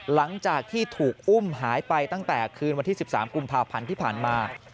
หลังจากที่ถูกอุ้มหายไปตั้งแต่คืนวันที่๑๓กุมภาพันธ์ที่ผ่านมา